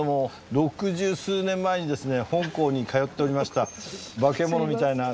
六十数年前にですね本校に通っておりました